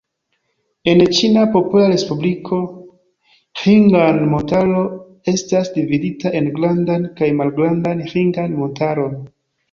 En Ĉina Popola Respubliko, Ĥingan-Montaro estas dividita en Grandan kaj Malgrandan Ĥingan-Montaron.